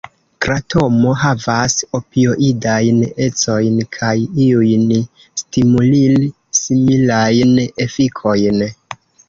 Kratomo havas opioidajn ecojn kaj iujn stimulil-similajn efikojn.